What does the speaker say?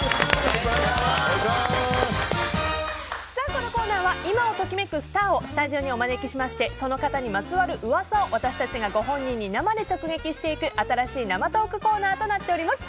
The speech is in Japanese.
このコーナーは今を時めくスターをスタジオにお招きしましてその方にまつわる噂を私たちが生でご本人に直撃していく新しい生トークコーナーとなっております。